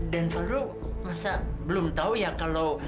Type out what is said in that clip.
dan valdo masa belum tau ya kalau